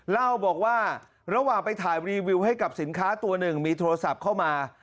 เล่าบอกว่าระหว่างไปถ่ายรีวิวให้กับสินค้าตัวหนึ่งมีโทรศัพท์เข้ามา